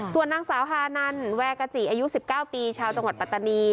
ส่วนนางสาวฮานันแวกาจิอายุ๑๙ปีชาวจังหวัดปัตตานี